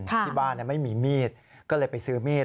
ที่บ้านไม่มีมีดก็เลยไปซื้อมีด